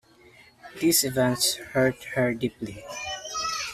These events hurt her deeply.